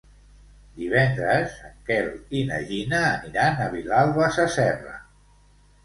Divendres en Quel i na Gina aniran a Vilalba Sasserra.